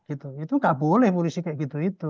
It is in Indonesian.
itu tidak boleh polisi seperti itu